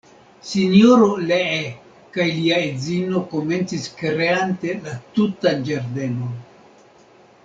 Sinjoro Lee kaj lia edzino komencis kreante la tutan ĝardenon.